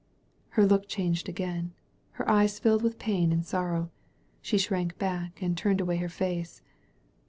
Her look dianged again; her eyes filled with pain and sorrow; she shrank back and turned away her face.